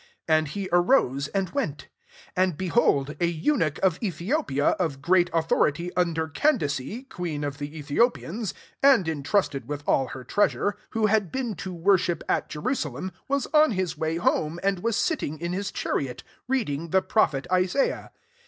27 And he arose and went: and be hold a eunuch of Ethiopia of great authority under Candac^ queen of the Ethiopians, and en trusted with all her treasure, who had been to worship at Jeru salem,28 was on his way home, and was sitting in his chariot, reading the prophet Isaiah.